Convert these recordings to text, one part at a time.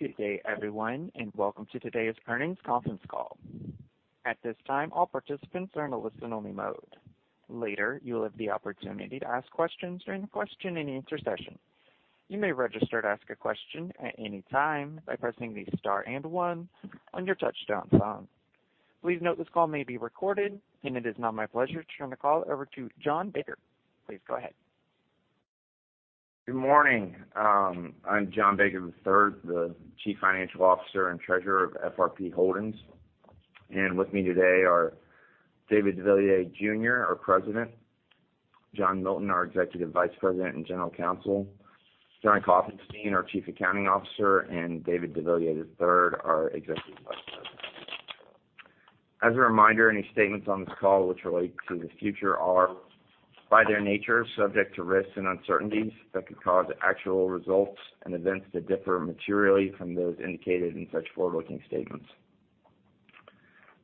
Good day, everyone. Welcome to today's earnings conference call. At this time, all participants are in a listen-only mode. Later, you will have the opportunity to ask questions during the question-and-answer session. You may register to ask a question at any time by pressing the star and one on your touch-tone phone. Please note this call may be recorded, and it is now my pleasure to turn the call over to John Baker. Please go ahead. Good morning. I'm John Baker III, the Chief Financial Officer and Treasurer of FRP Holdings. With me today are David DeVilliers Jr, our President; John Milton, our Executive Vice President and General Counsel; John Koffenstein, our Chief Accounting Officer, and David DeVilliers III, our Executive Vice President. As a reminder, any statements on this call which relate to the future are, by their nature, subject to risks and uncertainties that could cause actual results and events to differ materially from those indicated in such forward-looking statements.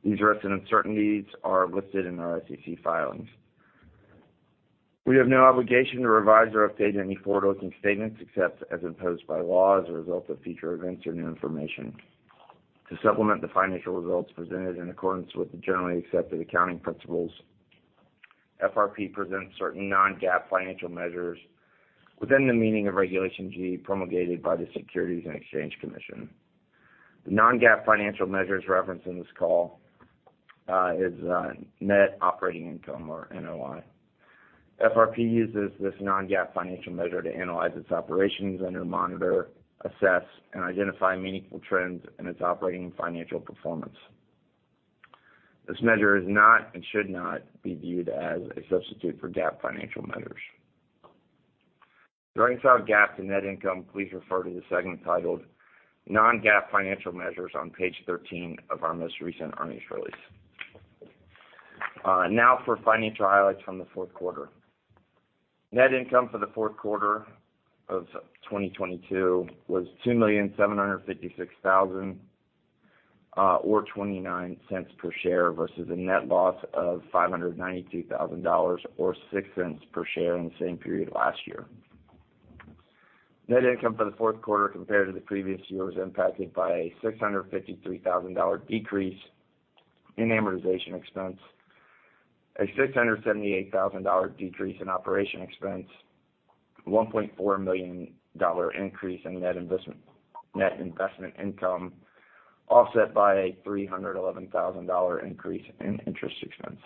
These risks and uncertainties are listed in our SEC filings. We have no obligation to revise or update any forward-looking statements except as imposed by law as a result of future events or new information. To supplement the financial results presented in accordance with the generally accepted accounting principles, FRP presents certain non-GAAP financial measures within the meaning of Regulation G promulgated by the Securities and Exchange Commission. The non-GAAP financial measures referenced in this call is net operating income or NOI. FRP uses this non-GAAP financial measure to analyze its operations and to monitor, assess, and identify meaningful trends in its operating and financial performance. This measure is not and should not be viewed as a substitute for GAAP financial measures. To reconcile GAAP to net income, please refer to the segment titled Non-GAAP Financial Measures on page 13 of our most recent earnings release. Now for financial highlights from the fourth quarter. Net income for the fourth quarter of 2022 was $2,756,000, or $0.29 per share versus a net loss of $592,000 or $0.06 per share in the same period last year. Net income for the fourth quarter compared to the previous year was impacted by a $653,000 decrease in amortization expense, a $678,000 decrease in operation expense, a $1.4 million increase in net investment income, offset by a $311,000 increase in interest expense.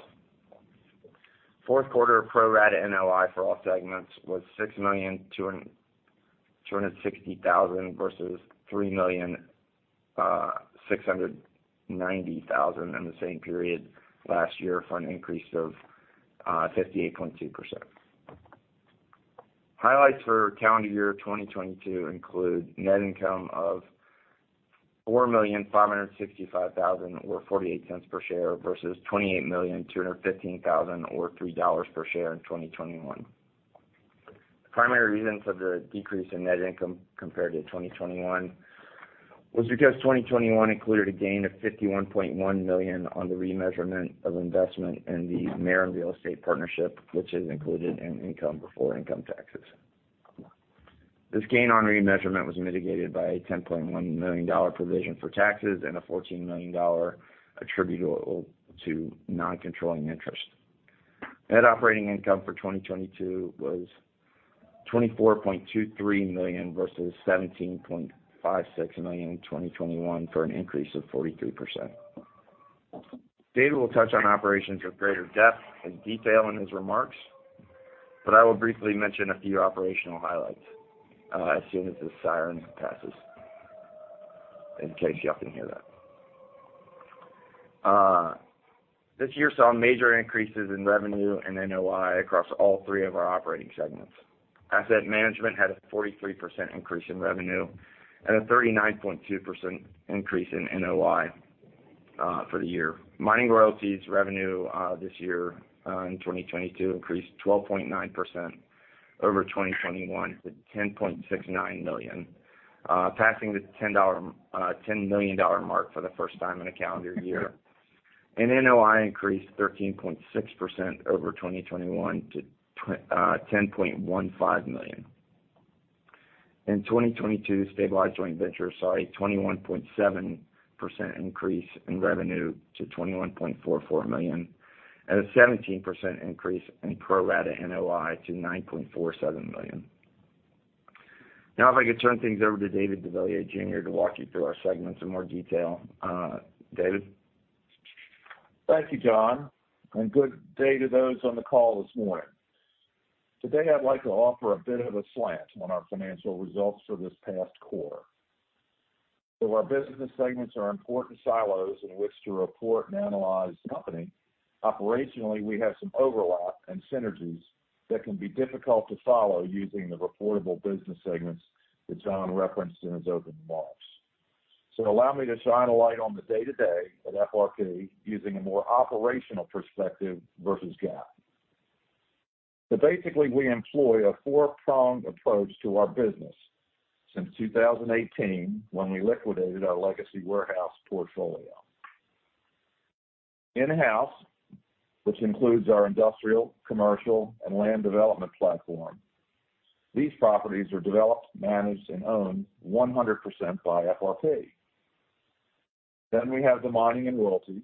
Fourth quarter pro rata NOI for all segments was $6,260,000 versus $3,690,000 in the same period last year, for an increase of 58.2%. Highlights for calendar year 2022 include net income of $4,565,000 or $0.48 per share versus $28,215,000 or $3.00 per share in 2021. The primary reasons of the decrease in net income compared to 2021 was because 2021 included a gain of $51.1 million on the remeasurement of investment in The Maren real estate partnership, which is included in income before income taxes. This gain on remeasurement was mitigated by a $10.1 million provision for taxes and a $14 million attributable to non-controlling interest. Net operating income for 2022 was $24.23 million versus $17.56 million in 2021, for an increase of 43%. David will touch on operations with greater depth and detail in his remarks, but I will briefly mention a few operational highlights, as soon as the siren passes, in case y'all can hear that. This year saw major increases in revenue and NOI across all three of our operating segments. Asset management had a 43% increase in revenue and a 39.2% increase in NOI for the year. Mining royalties revenue this year, in 2022 increased 12.9% over 2021 to $10.69 million, passing the $10 million mark for the first time in a calendar year. NOI increased 13.6% over 2021 to $10.15 million. In 2022, stabilized joint venture saw a 21.7% increase in revenue to $21.44 million, and a 17% increase in pro rata NOI to $9.47 million. If I could turn things over to David deVilliers Jr. to walk you through our segments in more detail. David. Thank you, John, and good day to those on the call this morning. Today, I'd like to offer a bit of a slant on our financial results for this past quarter. Our business segments are important silos in which to report and analyze the company. Operationally, we have some overlap and synergies that can be difficult to follow using the reportable business segments that John referenced in his opening remarks. Allow me to shine a light on the day-to-day at FRP using a more operational perspective versus GAAP. Basically, we employ a four-pronged approach to our business since 2018 when we liquidated our legacy warehouse portfolio. In-house, which includes our industrial, commercial, and land development platform. These properties are developed, managed, and owned 100% by FRP. We have the mining and royalties.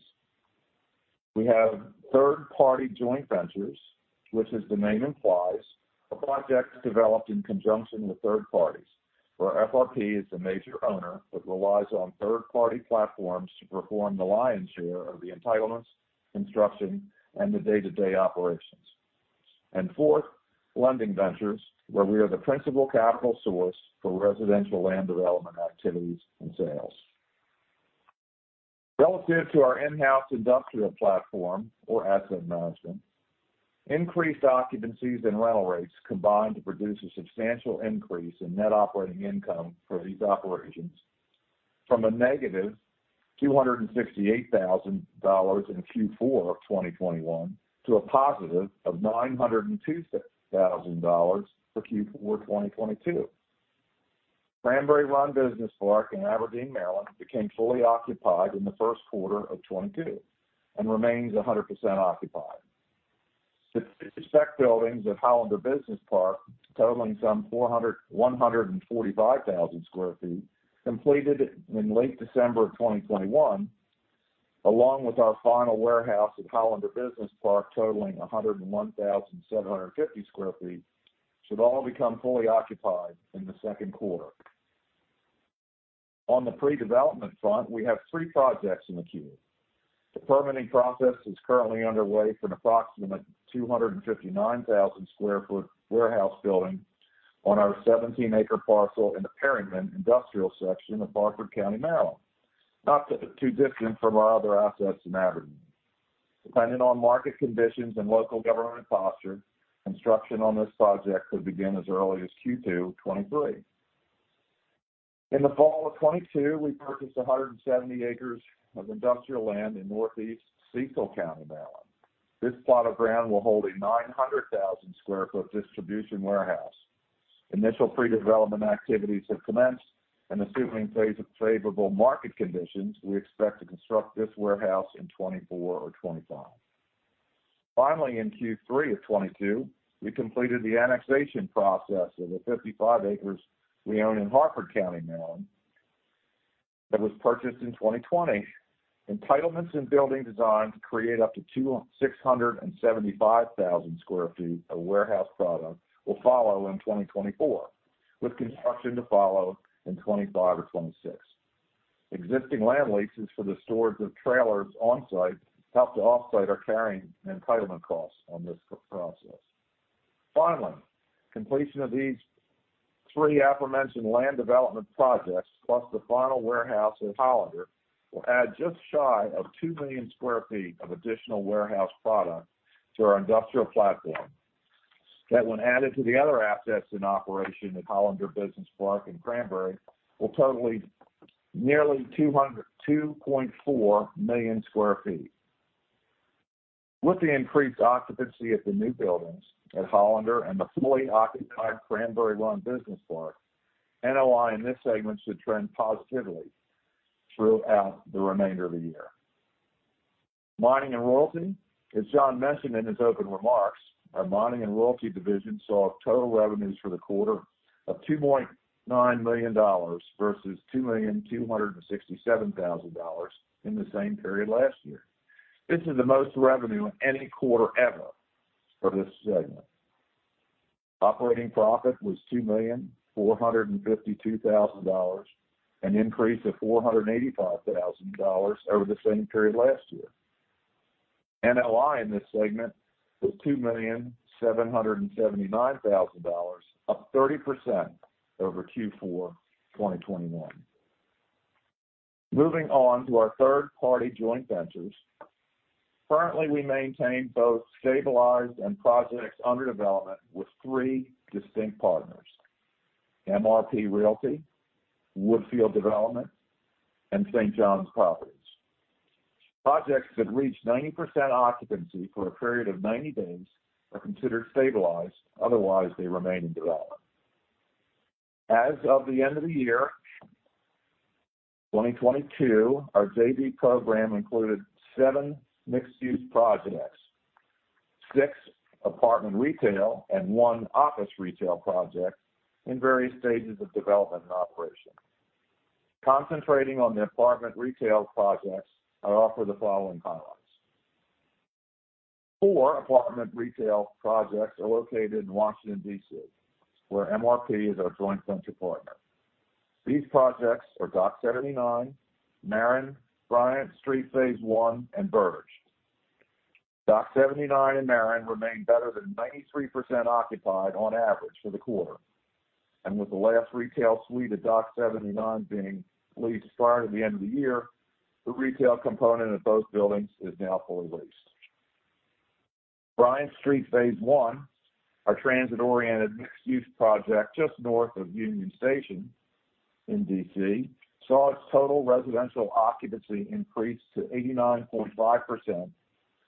We have third-party joint ventures, which as the name implies, are projects developed in conjunction with third parties, where FRP is the major owner that relies on third-party platforms to perform the lion's share of the entitlements, construction, and the day-to-day operations. Fourth, lending ventures, where we are the principal capital source for residential land development activities and sales. Relative to our in-house industrial platform or asset management, increased occupancies and rental rates combined to produce a substantial increase in net operating income for these operations from a negative $268,000 in Q4 of 2021 to a positive of $902,000 for Q4 2022. Cranberry Run Business Park in Aberdeen, Maryland, became fully occupied in the first quarter of 2022 and remains 100% occupied. The spec buildings at Hollander Business Park, totaling some 145,000 sq ft, completed in late December of 2021, along with our final warehouse at Hollander Business Park totaling 101,750 sq ft, should all become fully occupied in the second quarter. On the pre-development front, we have three projects in the queue. The permitting process is currently underway for an approximate 259,000 sq ft warehouse building on our 17-acre parcel in the Perryman industrial section of Harford County, Maryland, not too distant from our other assets in Aberdeen. Depending on market conditions and local government posture, construction on this project could begin as early as Q2 2023. In the fall of 2022, we purchased 170 acres of industrial land in Northeast Cecil County, Maryland. This plot of ground will hold a 900,000 sq ft distribution warehouse. Initial pre-development activities have commenced, assuming favorable market conditions, we expect to construct this warehouse in 2024 or 2025. In Q3 of 2022, we completed the annexation process of the 55 acres we own in Harford County, Maryland, that was purchased in 2020. Entitlements and building design to create up to 675,000 sq ft of warehouse product will follow in 2024, with construction to follow in 2025 or 2026. Existing land leases for the storage of trailers on-site help to offset our carrying and entitlement costs on this pro-process. Completion of these three aforementioned land development projects, plus the final warehouse at Hollander, will add just shy of 2 million sq ft of additional warehouse product to our industrial platform. When added to the other assets in operation at Hollander Business Park and Cranberry, will total nearly 202.4 million sq ft. With the increased occupancy at the new buildings at Hollander and the fully occupied Cranberry Run Business Park, NOI in this segment should trend positively throughout the remainder of the year. Mining and royalty. As John mentioned in his opening remarks, our mining and royalty division saw total revenues for the quarter of $2.9 million versus $2,267,000 in the same period last year. This is the most revenue in any quarter ever for this segment. Operating profit was $2,452,000, an increase of $485,000 over the same period last year. NOI in this segment was $2,779,000, up 30% over Q4 2021. Moving on to our third-party joint ventures. Currently, we maintain both stabilized and projects under development with three distinct partners, MRP Realty, Woodfield Development, and St. John Properties. Projects that reach 90% occupancy for a period of 90 days are considered stabilized. Otherwise, they remain in development. As of the end of the year 2022, our JV program included 7 mixed-use projects, 6 apartment retail, and 1 office retail project in various stages of development and operation. Concentrating on the apartment retail projects, I offer the following highlights. 4 apartment retail projects are located in Washington, D.C., where MRP is our joint venture partner. These projects are Dock 79, Maren, Bryant Street phase one, and Verge. Dock 79 and Maren remain better than 93% occupied on average for the quarter. With the last retail suite at Dock 79 being leased prior to the end of the year, the retail component of both buildings is now fully leased. Bryant Street phase one, our transit-oriented mixed-use project just north of Union Station in D.C., saw its total residential occupancy increase to 89.5%,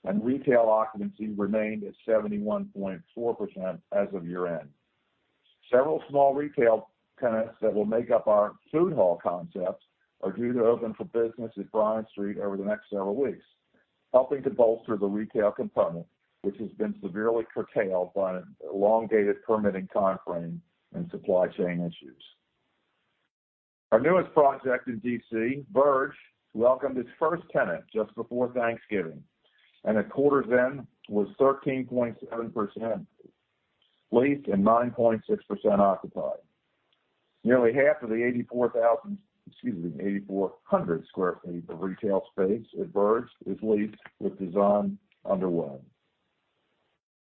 and retail occupancy remained at 71.4% as of year-end. Several small retail tenants that will make up our food hall concept are due to open for business at Bryant Street over the next several weeks, helping to bolster the retail component, which has been severely curtailed by an elongated permitting timeframe and supply chain issues. Our newest project in D.C., Verge, welcomed its first tenant just before Thanksgiving, and at quarter then was 13.7% leased and 9.6% occupied. Nearly half of the 8,400 sq ft of retail space at Verge is leased with design underway.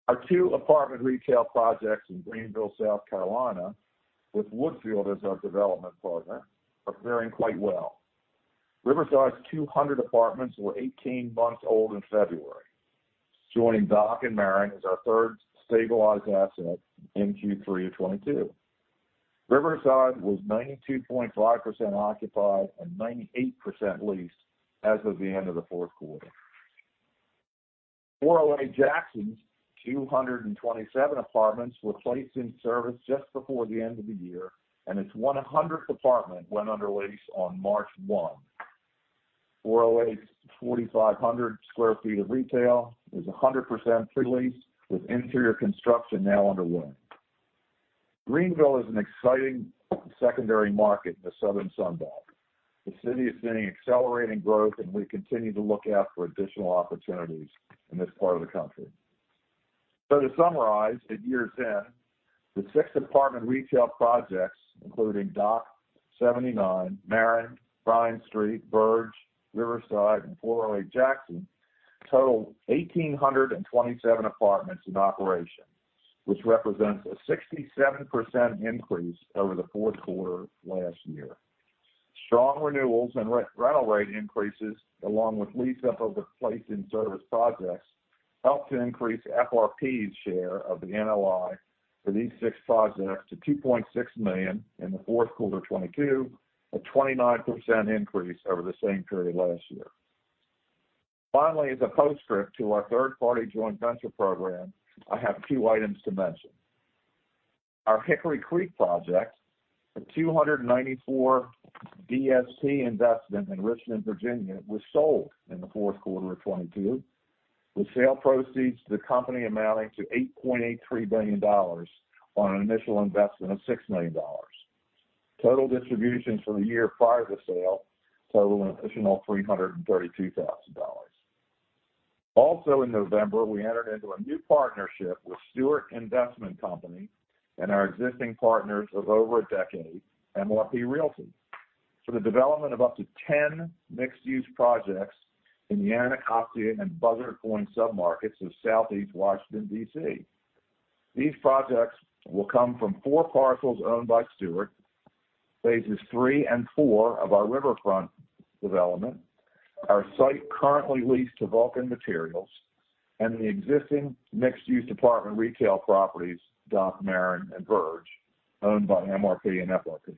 Our 2 apartment retail projects in Greenville, South Carolina, with Woodfield as our development partner, are faring quite well. Riverside's 200 apartments were 18 months old in February, joining Dock and Maren as our third stabilized asset in Q3 of 2022. Riverside was 92.5% occupied and 98% leased as of the end of the fourth quarter. 408 Jackson's 227 apartments were placed in service just before the end of the year, and its 100th apartment went under lease on March 1. 408's 4,500 sq ft of retail is 100% leased with interior construction now underway. Greenville is an exciting secondary market in the Southern Sun Belt. The city is seeing accelerating growth. We continue to look out for additional opportunities in this part of the country. To summarize, at year's end, the six apartment retail projects, including Dock 79, Maren, Bryant Street, Verge, Riverside, and .408 Jackson, total 1,827 apartments in operation, which represents a 67% increase over the fourth quarter last year. Strong renewals and re-rental rate increases, along with lease up of the place in service projects, helped to increase FRP's share of the NOI for these six projects to $2.6 million in the fourth quarter 2022, a 29% increase over the same period last year. Finally, as a postscript to our third-party joint venture program, I have two items to mention. Our Hickory Creek project, a 294 DSP investment in Richmond, Virginia, was sold in the fourth quarter of 2022, with sale proceeds to the company amounting to $8.83 billion on an initial investment of $6 million. Total distributions for the year prior to sale total an additional $332,000. In November, we entered into a new partnership with Stewart Investment Company and our existing partners of over a decade, MRP Realty, for the development of up to 10 mixed-use projects in the Anacostia and Buzzard Point submarkets of Southeast Washington, D.C. These projects will come from four parcels owned by Stewart, phases three and four of our riverfront development, our site currently leased to Vulcan Materials, and the existing mixed-use apartment retail properties, Dock, Maren, and Verge, owned by MRP and FRP.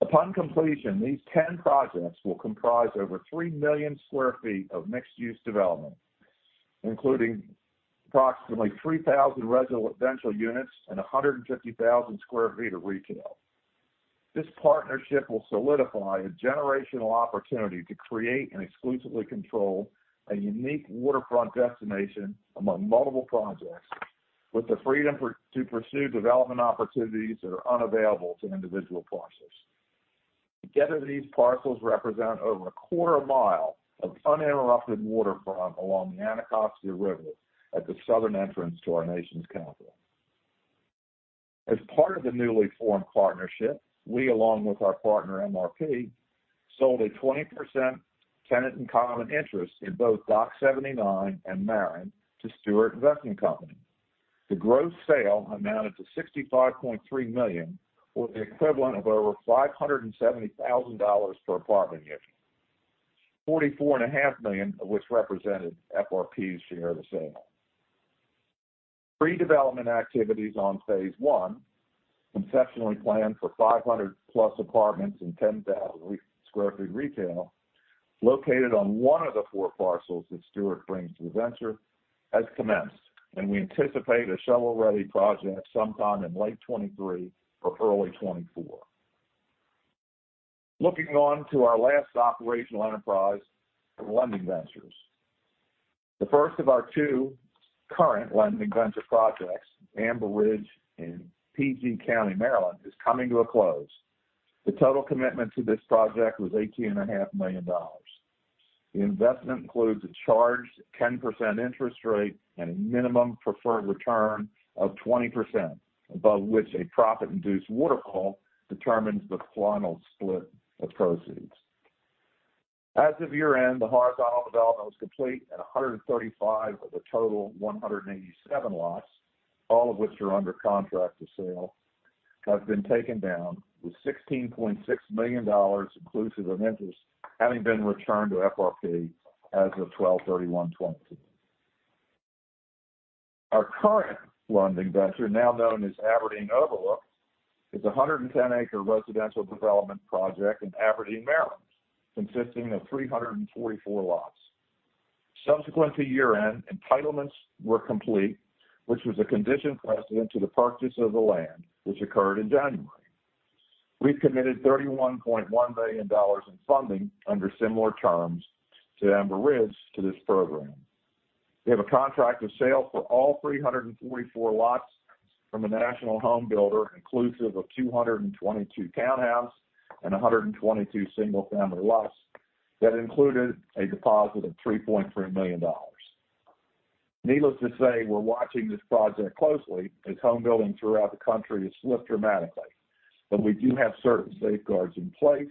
Upon completion, these 10 projects will comprise over 3 million sq ft of mixed-use development, including approximately 3,000 residential units and 150,000 sq ft of retail. This partnership will solidify a generational opportunity to create and exclusively control a unique waterfront destination among multiple projects with the freedom to pursue development opportunities that are unavailable to individual parcels. Together, these parcels represent over a quarter mile of uninterrupted waterfront along the Anacostia River at the southern entrance to our nation's capital. As part of the newly formed partnership, we along with our partner MRP, sold a 20% tenants in common interest in both Dock 79 and Maren to Stewart Investment Company. The gross sale amounted to $65.3 million, or the equivalent of over $570,000 per apartment unit. $44.5 million of which represented FRP's share of the sale. Pre-development activities on phase one, conceptually planned for 500+ apartments and 10,000 sq ft retail, located on one of the four parcels that Stewart brings to the venture, has commenced, and we anticipate a shovel-ready project sometime in late 2023 or early 2024. Looking on to our last operational enterprise, the lending ventures. The first of our two current lending venture projects, Amber Ridge in PG County, Maryland, is coming to a close. The total commitment to this project was $18.5 million. The investment includes a charged 10% interest rate and a minimum preferred return of 20%, above which a profit-induced waterfall determines the final split of proceeds. As of year-end, the horizontal development was complete, 135 of the total 187 lots, all of which are under contract for sale, have been taken down, with $16.6 million inclusive of interest having been returned to FRP as of 12/31/2022. Our current lending venture, now known as Aberdeen Overlook, is a 110-acre residential development project in Aberdeen, Maryland, consisting of 344 lots. Subsequently year-end, entitlements were complete, which was a condition precedent to the purchase of the land, which occurred in January. We've committed $31.1 million in funding under similar terms to Amber Ridge to this program. We have a contract of sale for all 344 lots from a national home builder, inclusive of 222 townhouse and 122 single-family lots that included a deposit of $3.3 million. Needless to say, we're watching this project closely as home building throughout the country has slipped dramatically. We do have certain safeguards in place,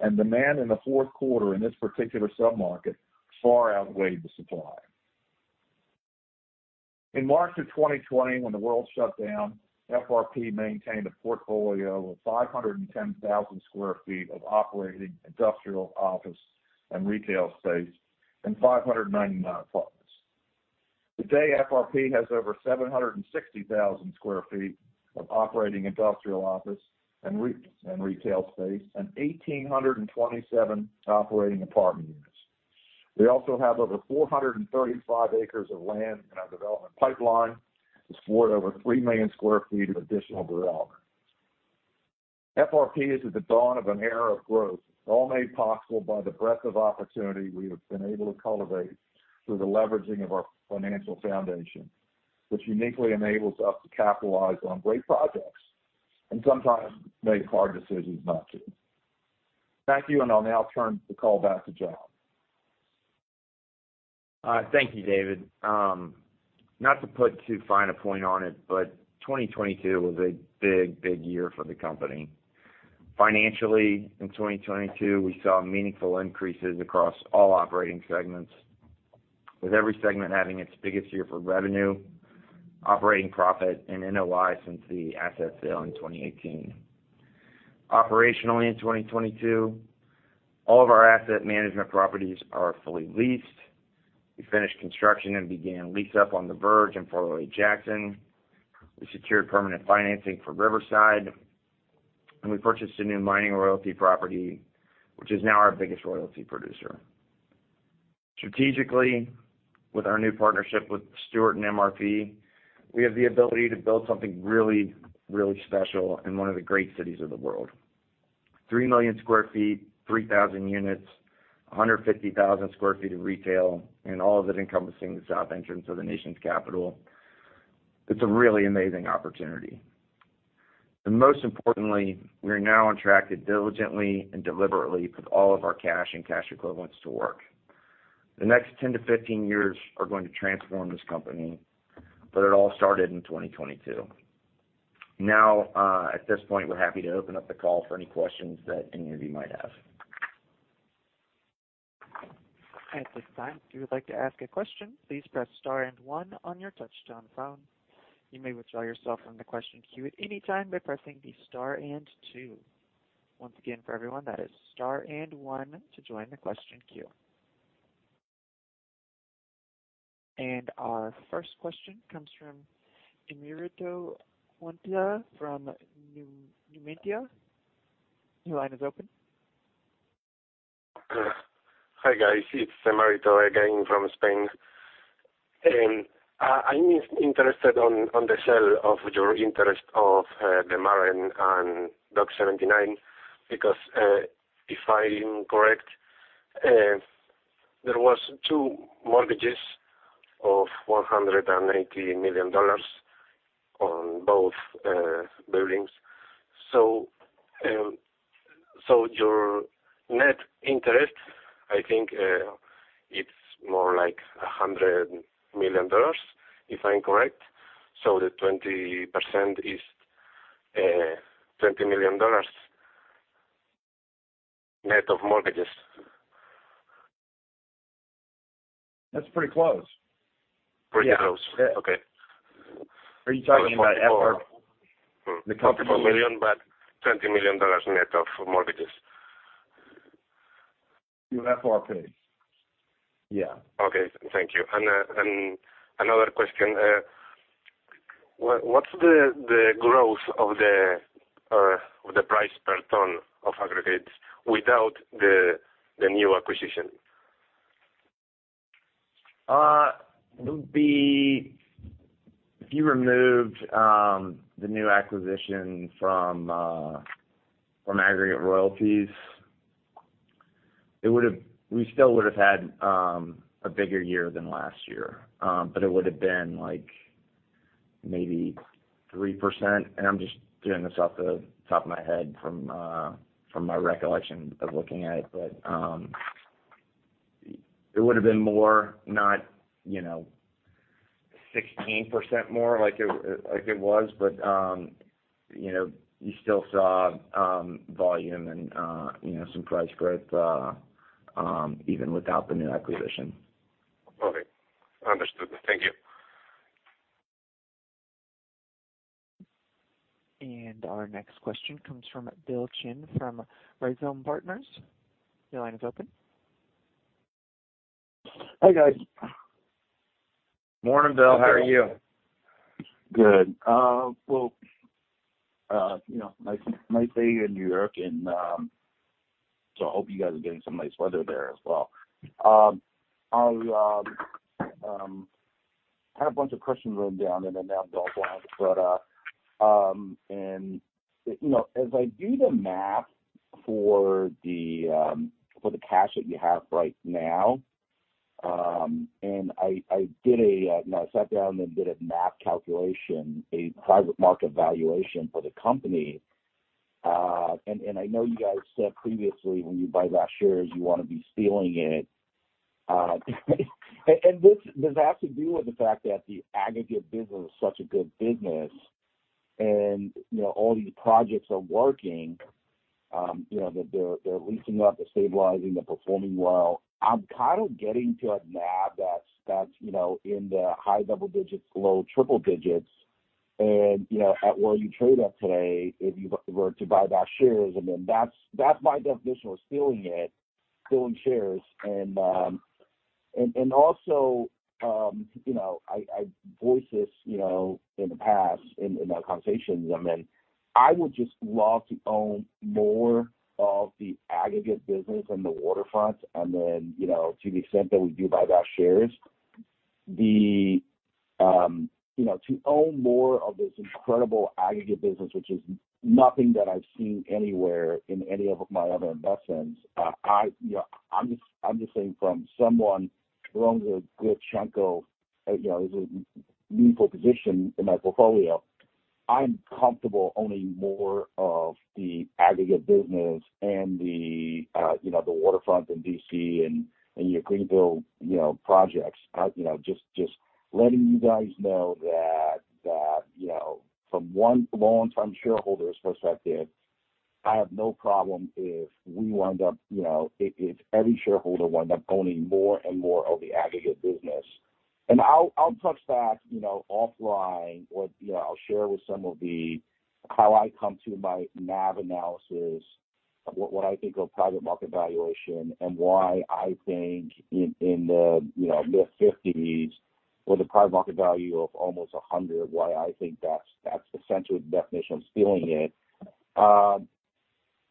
and demand in the fourth quarter in this particular sub-market far outweighed the supply. In March of 2020, FRP maintained a portfolio of 510,000 sq ft of operating industrial office and retail space and 599 apartments. Today, FRP has over 760,000 sq ft of operating industrial office and retail space and 1,827 operating apartment units. We also have over 435 acres of land in our development pipeline to support over 3 million sq ft of additional development. FRP is at the dawn of an era of growth, all made possible by the breadth of opportunity we have been able to cultivate through the leveraging of our financial foundation, which uniquely enables us to capitalize on great projects and sometimes make hard decisions not to. Thank you. I'll now turn the call back to John. Thank you, David. Not to put too fine a point on it, but 2022 was a big, big year for the company. Financially, in 2022, we saw meaningful increases across all operating segments, with every segment having its biggest year for revenue, operating profit and NOI since the asset sale in 2018. Operationally, in 2022, all of our asset management properties are fully leased. We finished construction and began lease up on The Verge and .408 Jackson. We secured permanent financing for Riverside, and we purchased a new mining royalty property, which is now our biggest royalty producer. Strategically, with our new partnership with Stewart and MRP, we have the ability to build something really, really special in one of the great cities of the world. 3 million sq ft, 3,000 units, 150,000 sq ft of retail, all of it encompassing the south entrance of the nation's capital. It's a really amazing opportunity. Most importantly, we are now on track to diligently and deliberately put all of our cash and cash equivalents to work. The next 10-15 years are going to transform this company, but it all started in 2022. At this point, we're happy to open up the call for any questions that any of you might have. At this time, if you would like to ask a question, please press star and one on your touchtone phone. You may withdraw yourself from the question queue at any time by pressing the star and two. Once again, for everyone, that is star and one to join the question queue. Our first question comes from Emeterio Quintana from Mimita. Your line is open. Hi, guys. It's Emeterio again from Spain. I'm interested on the sale of your interest of the Maren and Dock 79, because if I'm correct, there was two mortgages of $480 million on both buildings. so your net interest, I think, it's more like $100 million, if I'm correct. The 20% is $20 million net of mortgages. That's pretty close. Pretty close. Yeah. Yeah. Okay. Are you talking about FRP? The company... $400 million, but $20 million net of mortgages. You mean FRP. Yeah. Okay, thank you. Another question. What's the growth of the price per ton of aggregates without the new acquisition? It would be... If you removed the new acquisition from aggregate royalties, we still would've had a bigger year than last year. It would've been, like, maybe 3%. I'm just doing this off the top of my head from my recollection of looking at it. It would've been more, not, you know, 16% more like it, like it was. You know, you still saw volume and, you know, some price growth even without the new acquisition. Okay. Understood. Thank you. Our next question comes from Bill Chin, from Rhizome Partners. Your line is open. Hi, guys. Morning, Bill. How are you? Good. Well, you know, nice day in New York and I hope you guys are getting some nice weather there as well. I had a bunch of questions written down and now I've gone blank. You know, as I do the math for the cash that you have right now, I did a, you know, I sat down and did a math calculation, a private market valuation for the company. And I know you guys said previously when you buy back shares, you wanna be stealing it. And this has to do with the fact that the Aggregate business is such a good business and, you know, all these projects are working. You know, they're leasing up, they're stabilizing, they're performing well. I'm kind of getting to a NAV that's, you know, in the high double digits, low triple digits. You know, at where you trade at today, if you were to buy back shares, I mean, that's my definition of stealing it, stealing shares. Also, you know, I voiced this, you know, in the past in our conversations, and then I would just love to own more of the Aggregate business and the Waterfront, and then, you know, to the extent that we do buy back shares. The, you know, to own more of this incredible Aggregate business, which is nothing that I've seen anywhere in any of my other investments. I, you know, I'm just saying from someone who owns a good chunk of, you know, is a meaningful position in my portfolio, I'm comfortable owning more of the Aggregate business and the, you know, the Waterfront in D.C. and your Greenville, you know, projects. You know, just letting you guys know that, you know, from one longtime shareholder's perspective, I have no problem if we wind up, you know, if every shareholder wind up owning more and more of the Aggregate business. I'll touch back, you know, offline or, you know, I'll share with some of the... How I come to my NAV analysis, what I think of private market valuation, and why I think in the, you know, $mid-50s or the private market value of almost $100, why I think that's essentially the definition of stealing it,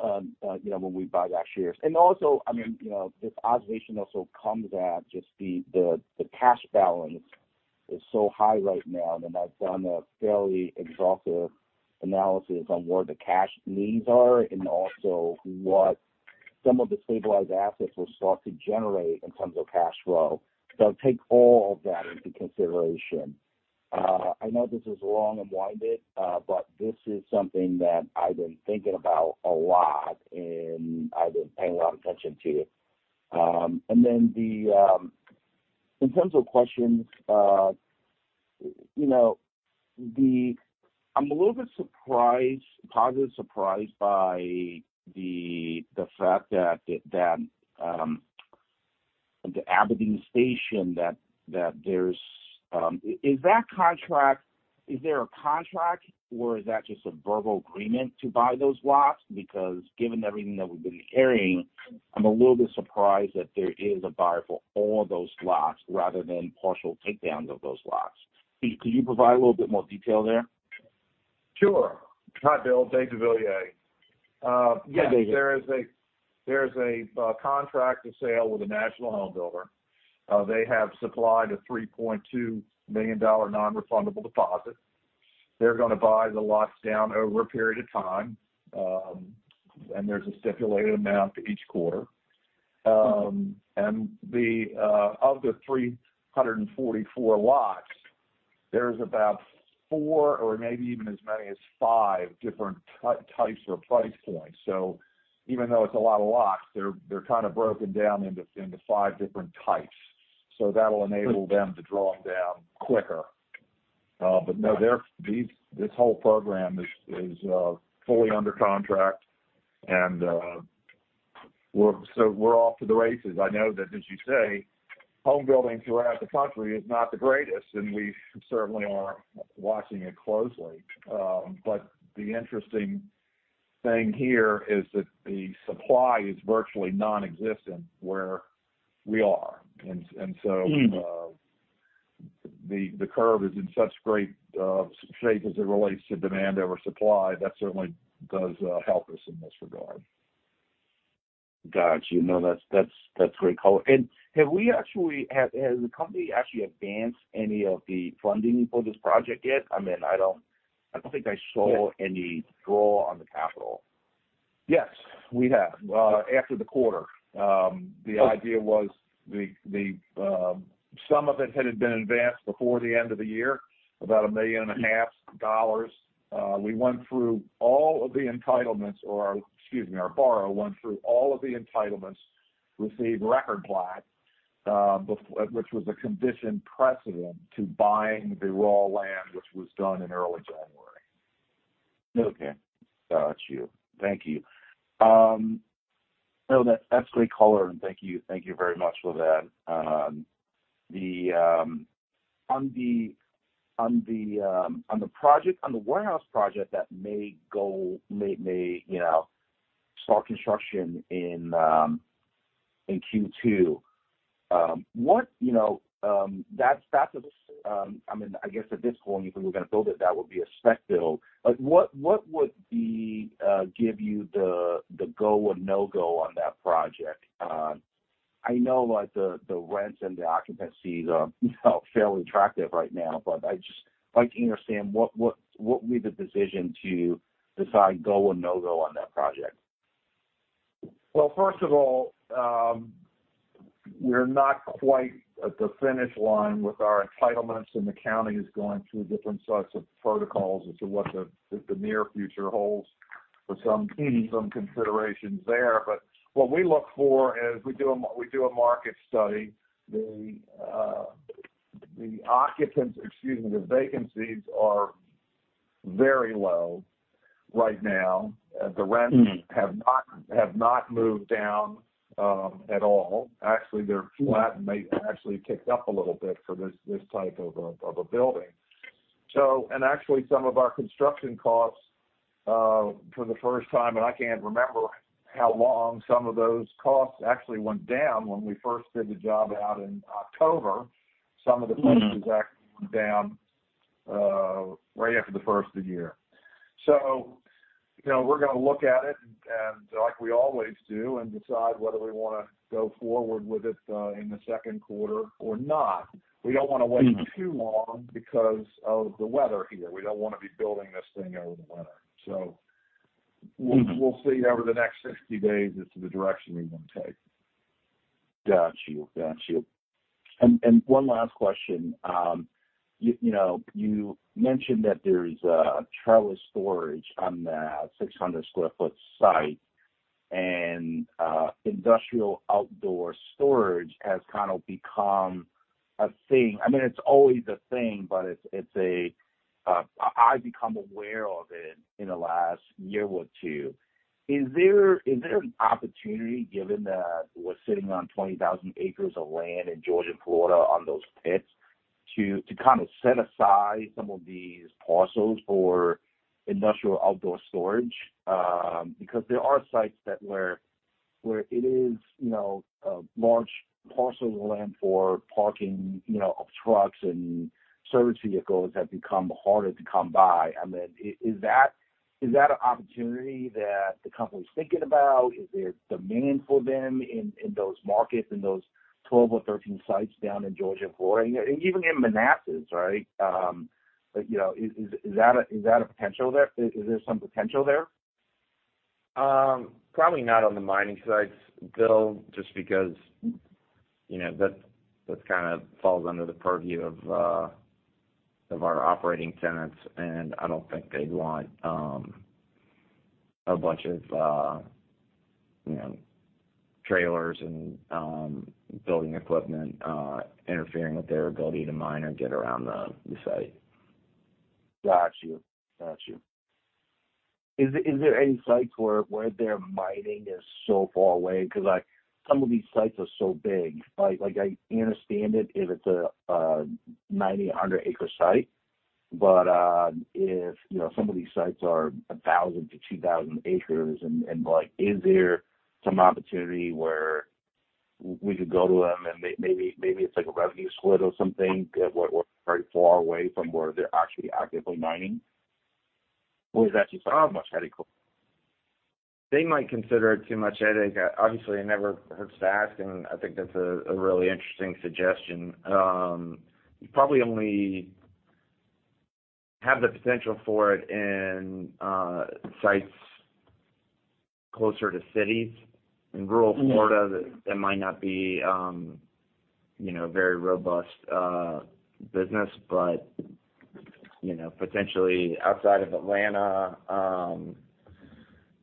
you know, when we buy back shares. Also, I mean, you know, this observation also comes at just the cash balance is so high right now, and I've done a fairly exhaustive analysis on where the cash needs are and also what some of the stabilized assets will start to generate in terms of cash flow. Take all of that into consideration. I know this is long and winded, but this is something that I've been thinking about a lot and I've been paying a lot of attention to. And then the... In terms of questions, you know, I'm a little bit surprised, positively surprised by the fact that the Aberdeen, that there's. Is there a contract or is that just a verbal agreement to buy those lots? Because given everything that we've been hearing, I'm a little bit surprised that there is a buyer for all those lots rather than partial takedowns of those lots. Can you provide a little bit more detail there? Sure. Hi, Bill. David deVilliers. Yes. Hi, David. There is a contract to sale with a national home builder. They have supplied a $3.2 million non-refundable deposit. They're gonna buy the lots down over a period of time, and there's a stipulated amount each quarter. And the of the 344 lots, there's about four or maybe even as many as five different types or price points. Even though it's a lot of lots, they're kind of broken down into five different types. That'll enable them to draw them down quicker. No, these, this whole program is fully under contract and we're off to the races. I know that, as you say, home building throughout the country is not the greatest, and we certainly are watching it closely. The interesting thing here is that the supply is virtually nonexistent where we are. Mm. The curve is in such great shape as it relates to demand over supply. That certainly does help us in this regard. Got you. No, that's great color. Has the company actually advanced any of the funding for this project yet? I mean, I don't think I saw any draw on the capital. Yes, we have, after the quarter. The idea was the, some of it had been advanced before the end of the year, about a million and a half dollars. We went through all of the entitlements or, excuse me, our borrower went through all of the entitlements, received record plat, which was a condition precedent to buying the raw land, which was done in early January. Okay. Got you. Thank you. No, that's great color, and thank you, thank you very much for that. The, on the project, on the warehouse project that may go, start construction in Q2. What, you know, that's, I mean, I guess at this point, if we were gonna build it, that would be a spec build. What would be, give you the go or no-go on that project? I know like the rents and the occupancies are, you know, fairly attractive right now. I'd just like to understand what would be the decision to decide go or no-go on that project? First of all, we're not quite at the finish line with our entitlements, the county is going through different sorts of protocols as to what the near future holds. Mm-hmm. Some considerations there. What we look for is we do a we do a market study. The occupants, excuse me, the vacancies are very low right now. the rents- Mm. Have not moved down at all. Actually, they're flat and they actually ticked up a little bit for this type of a building. Actually, some of our construction costs for the first time, and I can't remember how long some of those costs actually went down when we first did the job out in October. Some of the costs- Mm. Actually went down right after the first of the year. You know, we're gonna look at it and like we always do, and decide whether we wanna go forward with it in the second quarter or not. We don't wanna wait... Mm. Too long because of the weather here. We don't wanna be building this thing over the winter. We'll- Mm. We'll see over the next 60 days as to the direction we wanna take. Got you. Got you. One last question. you know, you mentioned that there's trailer storage on that 600 sq ft site, industrial outdoor storage has kind of become a thing. I mean, it's always a thing, but it's a, I've become aware of it in the last year or two. Is there an opportunity given that we're sitting on 20,000 acres of land in Georgia and Florida on those pits to kind of set aside some of these parcels for industrial outdoor storage? Because there are sites that where it is, you know, a large parcel of land for parking, you know, of trucks and service vehicles have become harder to come by. I mean, is that an opportunity that the company's thinking about? Is there demand for them in those markets, in those 12 or 13 sites down in Georgia and Florida? Even in Manassas, right? You know, is that a potential there? Is there some potential there? Probably not on the mining sites, Bill, just because, you know, that kind of falls under the purview of our operating tenants, and I don't think they'd want a bunch of, you know, trailers and building equipment, interfering with their ability to mine or get around the site. Got you. Got you. Is there any sites where their mining is so far away? 'Cause like some of these sites are so big. Like, I understand it if it's a 90, a 100 acre site. If, you know, some of these sites are 1,000 to 2,000 acres and like is there some opportunity where we could go to them and maybe it's like a revenue split or something if we're very far away from where they're actually actively mining? Or is that just too much headache for? They might consider it too much headache. Obviously it never hurts to ask, and I think that's a really interesting suggestion. You probably only have the potential for it in sites closer to cities. In rural Florida. Mm. That might not be, you know, a very robust business. You know, potentially outside of Atlanta,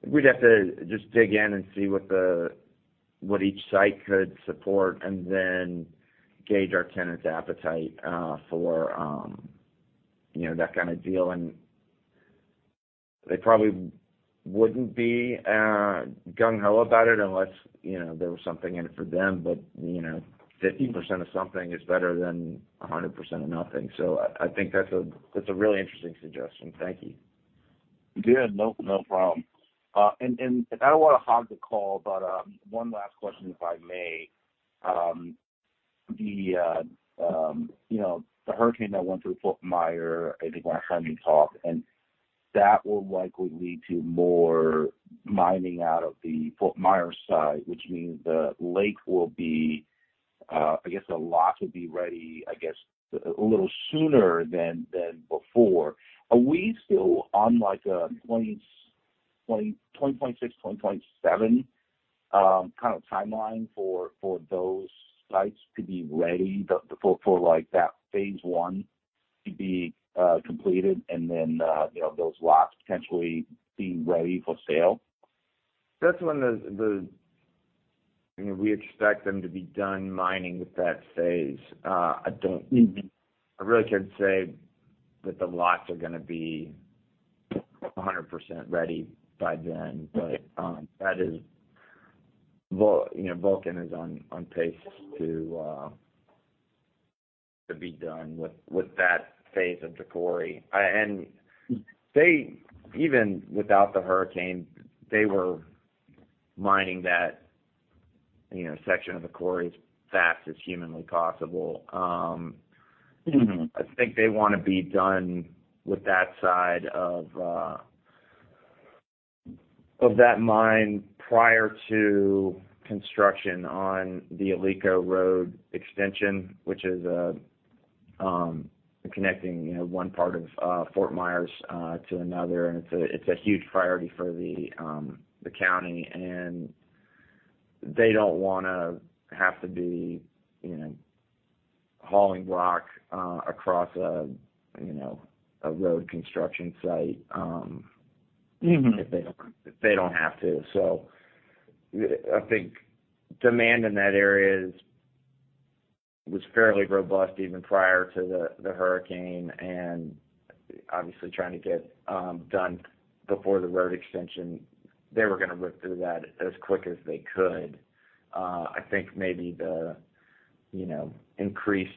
we'd have to just dig in and see what the, what each site could support and then gauge our tenants' appetite for, you know, that kind of deal. They probably wouldn't be gung ho about it unless, you know, there was something in it for them. You know, 50% of something is better than 100% of nothing. I think that's a, that's a really interesting suggestion. Thank you. Good. No, no problem. I don't wanna hog the call, but one last question, if I may. You know, the hurricane that went through Fort Myers, I think when Jimmy talked, and that will likely lead to more mining out of the Fort Myers site, which means the lake will be, I guess a lot will be ready, I guess, a little sooner than before. Are we still on like a 20, 20.6, 20.7 kind of timeline for those sites to be ready for like that phase one to be completed and then, you know, those lots potentially being ready for sale? That's when the You know, we expect them to be done mining with that phase. Mm. I really can't say that the lots are gonna be 100% ready by then, but, you know, Vulcan is on pace to be done with that phase of the quarry. They even without the hurricane, they were mining that, you know, section of the quarry as fast as humanly possible. Mm-hmm. I think they wanna be done with that side of that mine prior to construction on the Alico Road extension, which is, connecting, you know, one part of Fort Myers to another. It's a, it's a huge priority for the county, and they don't wanna have to be, you know, hauling rock across a, you know, a road construction site. Mm-hmm. If they don't have to. I think demand in that area was fairly robust even prior to the hurricane. Obviously, trying to get done before the road extension, they were gonna rip through that as quick as they could. I think maybe the, you know, increased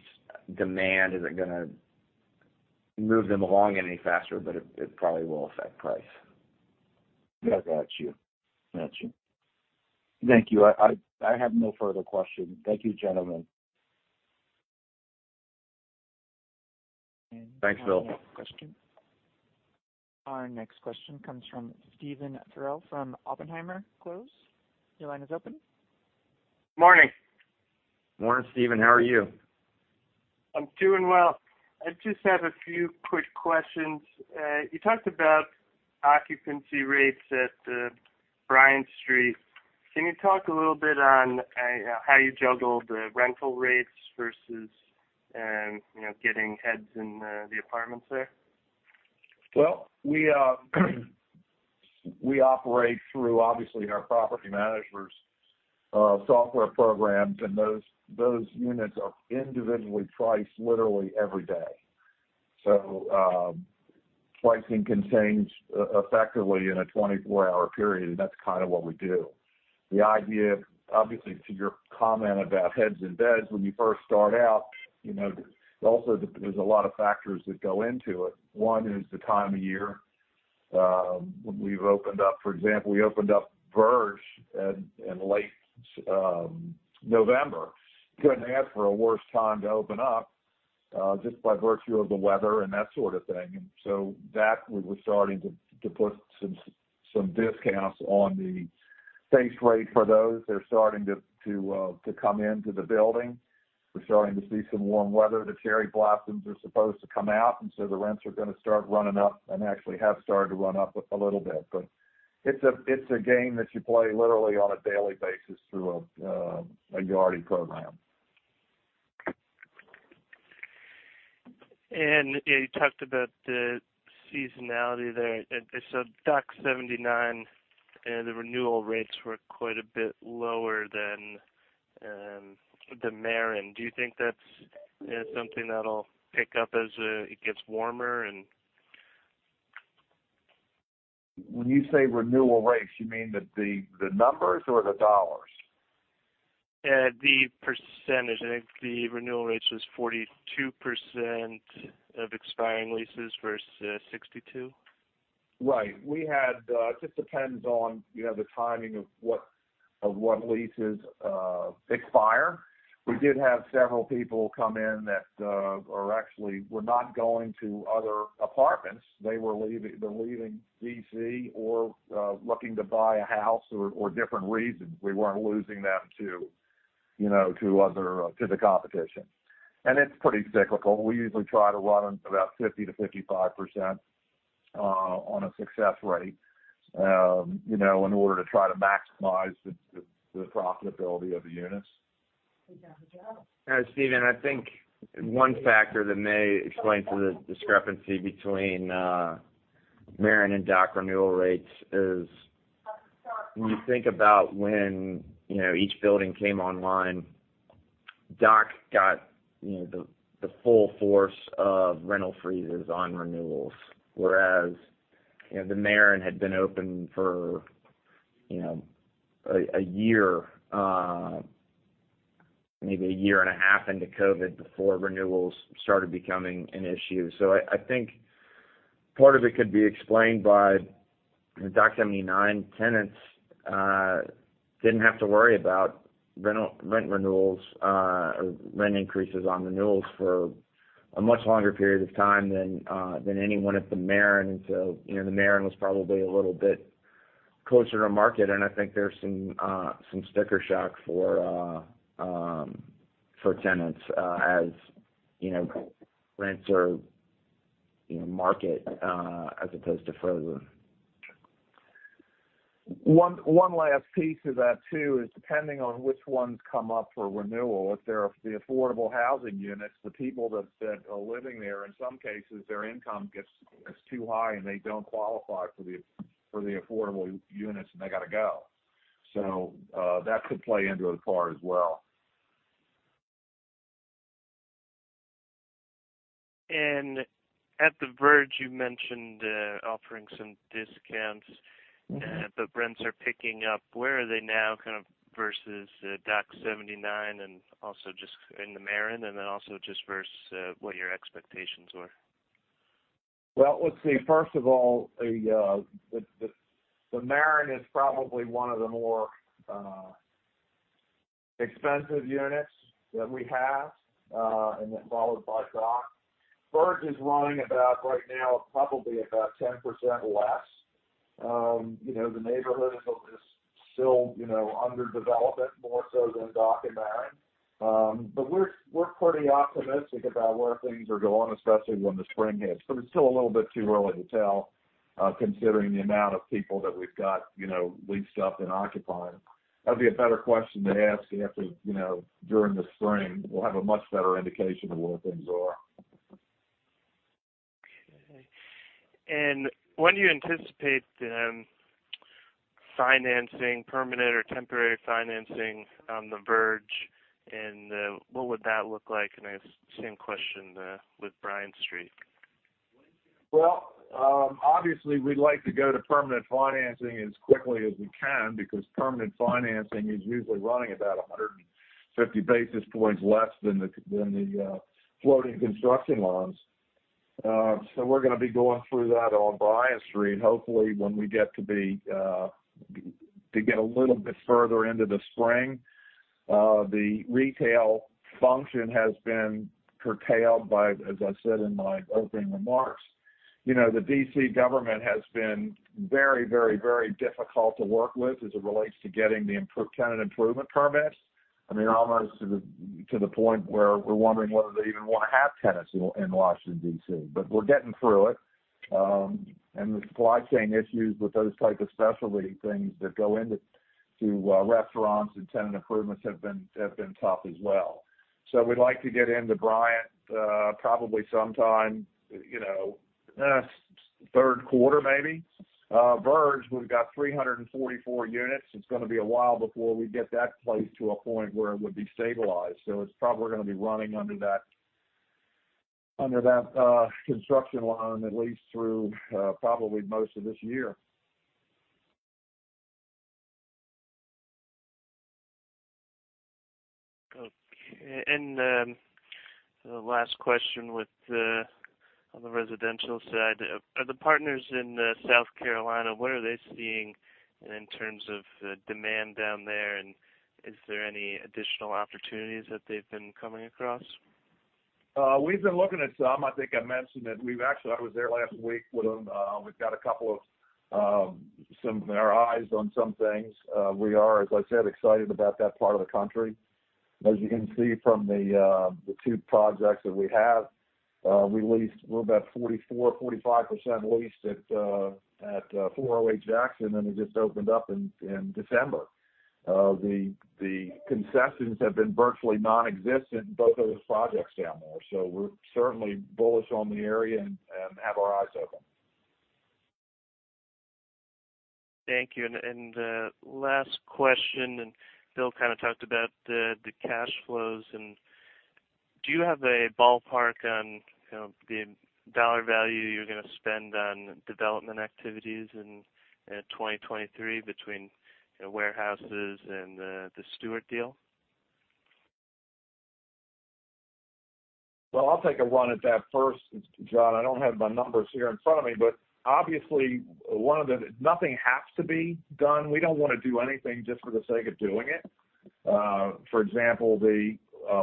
demand isn't gonna move them along any faster, but it probably will affect price. I got you. Got you. Thank you. I have no further questions. Thank you, gentlemen. Thanks, Bill. Question. Our next question comes from Stephen Threl from Oppenheimer Close. Your line is open. Morning. Morning, Stephen. How are you? I'm doing well. I just have a few quick questions. You talked about occupancy rates at Bryant Street. Can you talk a little bit on how you juggle the rental rates versus, you know, getting heads in the apartments there? We operate through, obviously, our property managers' software programs, and those units are individually priced literally every day. Pricing can change effectively in a 24-hour period, and that's kinda what we do. The idea, obviously, to your comment about heads and beds when you first start out, you know, also, there's a lot of factors that go into it. One is the time of year. For example, we opened up Verge in late November. Couldn't ask for a worse time to open up just by virtue of the weather and that sort of thing. We were starting to put some discounts on the face rate for those. They're starting to come into the building. We're starting to see some warm weather. The cherry blossoms are supposed to come out. The rents are gonna start running up, and actually have started to run up a little bit. It's a game that you play literally on a daily basis through a Yardi program. You talked about the seasonality there. Dock 79, the renewal rates were quite a bit lower than The Maren. Do you think that's, you know, something that'll pick up as it gets warmer and? When you say renewal rates, you mean the numbers or the dollars? The percentage. I think the renewal rates was 42% of expiring leases versus 62%. Right. We had. It just depends on, you know, the timing of what, of what leases expire. We did have several people come in that actually were not going to other apartments. They were leaving, they're leaving DC or looking to buy a house or different reasons. We weren't losing them to, you know, to other to the competition. It's pretty cyclical. We usually try to run about 50%-55% on a success rate, you know, in order to try to maximize the profitability of the units. Stephen, I think one factor that may explain for the discrepancy between Maren and Dock renewal rates is when you think about when, you know, each building came online, Dock got, you know, the full force of rental freezes on renewals, whereas, you know, The Maren had been open for, you know, a year, maybe a year and a half into COVID before renewals started becoming an issue. I think part of it could be explained by the Dock 79 tenants, didn't have to worry about rent renewals, rent increases on renewals for a much longer period of time than than anyone at The Maren. You know, The Maren was probably a little bit closer to market, and I think there's some sticker shock for tenants, as you know, rents are, you know, market, as opposed to frozen. One last piece of that too is depending on which ones come up for renewal. If they're the affordable housing units, the people that are living there, in some cases, their income gets too high, and they don't qualify for the, for the affordable units, and they gotta go. That could play into it as far as well. At the Verge, you mentioned, offering some discounts. Rents are picking up. Where are they now kind of versus, Dock 79 and also just in the Maren and then also just versus, what your expectations were? Well, let's see, first of all, the Maren is probably one of the more, expensive units that we have, and then followed by Dock. Verge is running about right now, probably about 10% less. You know, the neighborhood is still, you know, under development, more so than Dock and Maren. We're, we're pretty optimistic about where things are going, especially when the spring hits. It's still a little bit too early to tell, considering the amount of people that we've got, you know, leased up and occupying. That'd be a better question to ask after, you know, during the spring. We'll have a much better indication of where things are. Okay. When do you anticipate, financing, permanent or temporary financing on the Verge? What would that look like? I ask the same question, with Bryant Street. Well, obviously, we'd like to go to permanent financing as quickly as we can because permanent financing is usually running about 150 basis points less than the floating construction loans. We're gonna be going through that on Bryant Street. Hopefully, when we get to get a little bit further into the spring. The retail function has been curtailed by, as I said in my opening remarks. You know, the D.C. government has been very, very, very difficult to work with as it relates to getting the tenant improvement permits. I mean, almost to the point where we're wondering whether they even wanna have tenants in Washington, D.C. We're getting through it. The supply chain issues with those type of specialty things that go into restaurants and tenant improvements have been tough as well. We'd like to get into Bryant probably sometime, you know, third quarter, maybe. Verge, we've got 344 units. It's gonna be a while before we get that place to a point where it would be stabilized. It's probably gonna be running under that construction loan at least through probably most of this year. Okay. The last question with the, on the residential side. Are the partners in South Carolina, what are they seeing in terms of demand down there? Is there any additional opportunities that they've been coming across? We've been looking at some. I think I mentioned that I was there last week with them. We've got a couple of our eyes on some things. We are, as I said, excited about that part of the country. As you can see from the two projects that we have, we're about 44%-45% leased at 408 Jackson, and it just opened up in December. The concessions have been virtually nonexistent in both of those projects down there. We're certainly bullish on the area and have our eyes open. Thank you. The last question, and Bill kinda talked about the cash flows. Do you have a ballpark on, you know, the dollar value you're gonna spend on development activities in 2023 between, you know, warehouses and the Stewart deal? Well, I'll take a run at that first, John. I don't have my numbers here in front of me, obviously, nothing has to be done. We don't wanna do anything just for the sake of doing it. For example, the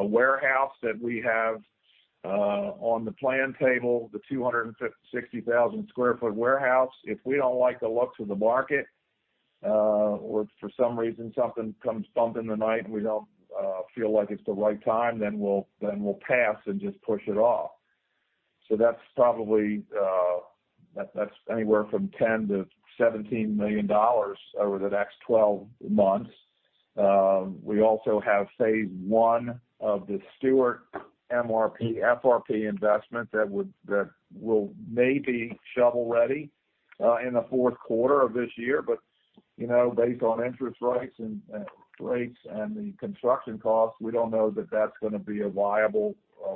warehouse that we have on the plan table, the 260,000 sq ft warehouse. If we don't like the looks of the market, or for some reason something comes bump in the night and we don't feel like it's the right time, we'll pass and just push it off. That's probably anywhere from $10 million-$17 million over the next 12 months. We also have phase one of the Stewart MRP-FRP investment that will may be shovel-ready in the fourth quarter of this year. You know, based on interest rates and rates and the construction costs, we don't know that that's gonna be a viable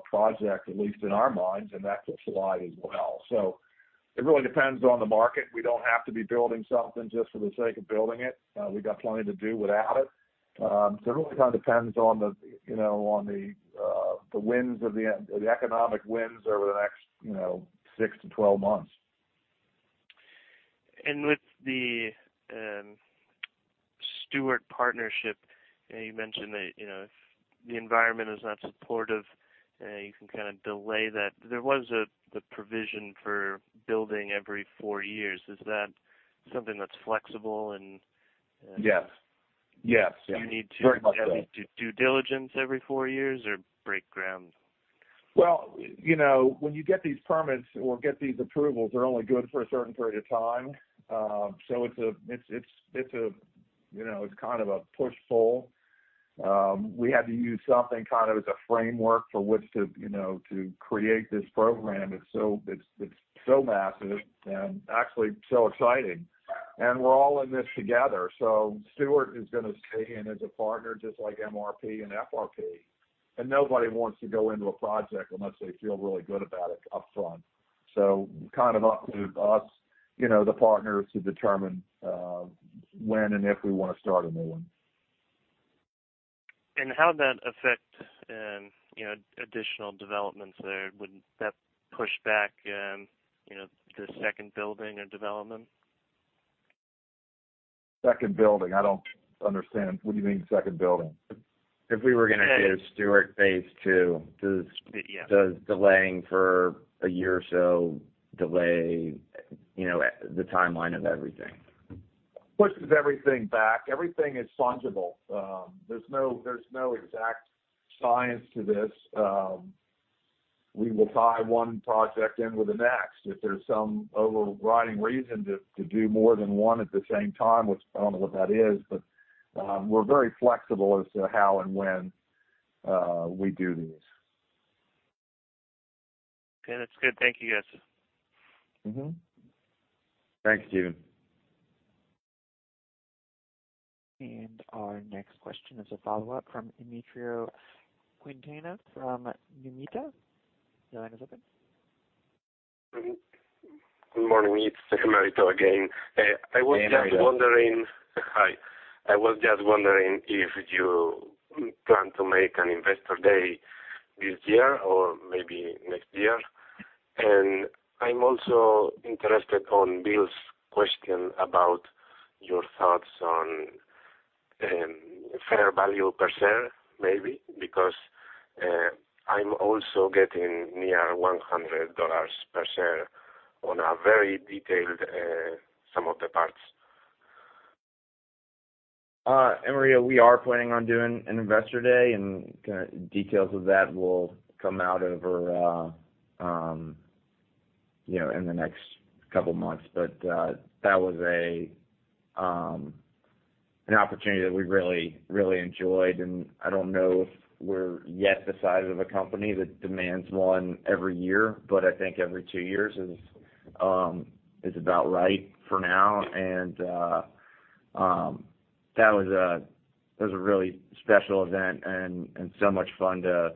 project, at least in our minds, and that could slide as well. It really depends on the market. We don't have to be building something just for the sake of building it. We got plenty to do without it. It really kind of depends on the, you know, on the economic winds over the next, you know, six to 12 months. With the Stewart partnership, you mentioned that, you know, if the environment is not supportive, you can kinda delay that. There was the provision for building every four years. Is that something that's flexible and-? Yes. Yes. You need. Very much so. Do you have to do due diligence every four years or break ground? Well, you know, when you get these permits or get these approvals, they're only good for a certain period of time. it's a, you know, it's kind of a push-pull. We had to use something kind of as a framework for which to, you know, to create this program. It's so massive and actually so exciting. We're all in this together. Stewart is gonna stay in as a partner, just like MRP and FRP. Nobody wants to go into a project unless they feel really good about it upfront. Kind of up to us, you know, the partners to determine when and if we wanna start a new one. How'd that affect, you know, additional developments there? Wouldn't that push back, you know, the second building or development? Second building? I don't understand. What do you mean second building? If we were gonna do Stewart phase II. Yes. Does delaying for a year or so delay, you know, the timeline of everything? Pushes everything back. Everything is fungible. There's no exact science to this. We will tie one project in with the next. If there's some overriding reason to do more than one at the same time, which I don't know what that is. We're very flexible as to how and when, we do these. Okay, that's good. Thank you, guys. Mm-hmm. Thanks, Stephen. Our next question is a follow-up from Emeterio Quintana from Mimita. Your line is open. Good morning. It's Emeterio again. Hey, Emeterio. Hi. I was just wondering if you plan to make an investor day this year or maybe next year. I'm also interested on Bill's question about your thoughts on fair value per share, maybe because I'm also getting near $100 per share on a very detailed some of the parts. Emeterio, we are planning on doing an investor day, details of that will come out over, you know, in the next couple months. That was an opportunity that we really enjoyed. I don't know if we're yet the size of a company that demands one every year, but I think every two years is about right for now. That was a really special event and so much fun to,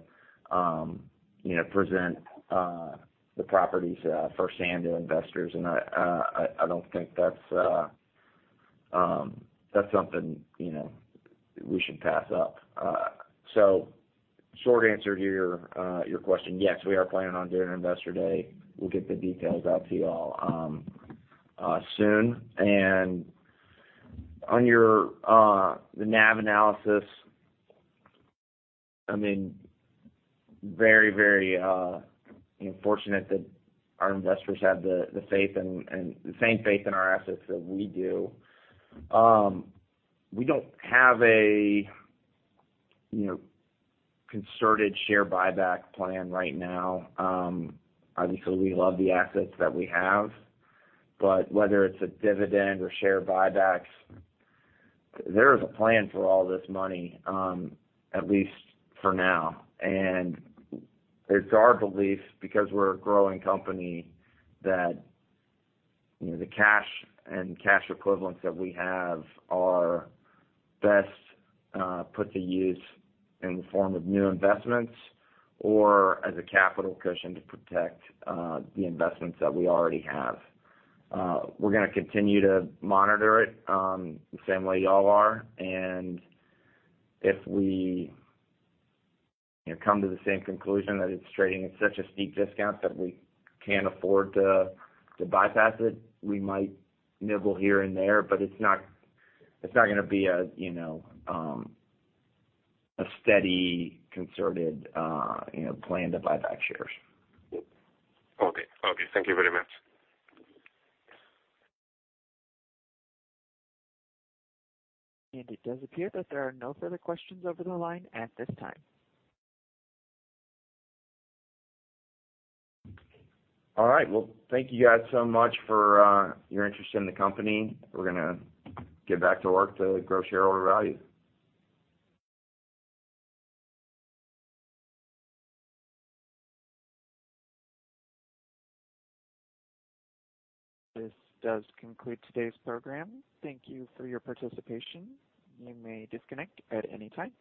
you know, present the properties firsthand to investors. I don't think that's something, you know, we should pass up. Short answer to your question, yes, we are planning on doing investor day. We'll get the details out to you all soon. On your, the NAV analysis, I mean, very, very, you know, fortunate that our investors have the faith and the same faith in our assets that we do. We don't have a, you know, concerted share buyback plan right now. Obviously, we love the assets that we have. Whether it's a dividend or share buybacks, there is a plan for all this money, at least for now. It's our belief, because we're a growing company, that, you know, the cash and cash equivalents that we have are best put to use in the form of new investments or as a capital cushion to protect the investments that we already have. We're gonna continue to monitor it, the same way y'all are. If we, you know, come to the same conclusion that it's trading at such a steep discount that we can't afford to bypass it, we might nibble here and there, but it's not gonna be a, you know, a steady, concerted, you know, plan to buy back shares. Okay. Okay. Thank you very much. It does appear that there are no further questions over the line at this time. All right. Well, thank you guys so much for your interest in the company. We're gonna get back to work to grow shareholder value. This does conclude today's program. Thank you for your participation. You may disconnect at any time.